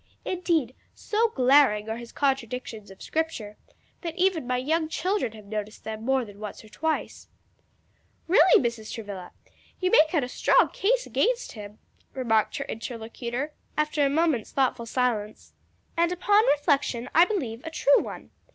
Indeed so glaring are his contradictions of scripture, that even my young children have noticed them more than once or twice." "Really, Mrs. Travilla, you make out a strong case against him," remarked her interlocutor, after a moment's thoughtful silence, "and upon reflection I believe a true one.